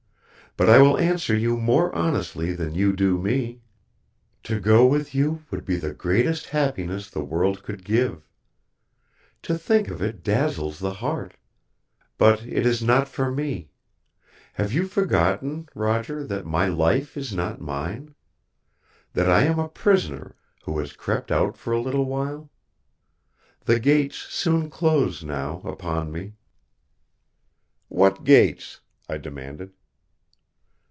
But I will answer you more honestly than you do me. To go with you would be the greatest happiness the world could give. To think of it dazzles the heart. But it is not for me. Have you forgotten, Roger, that my life is not mine? That I am a prisoner who has crept out for a little while? The gates soon close, now, upon me." "What gates?" I demanded.